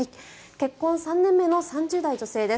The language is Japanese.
結婚３年目の３０代女性です。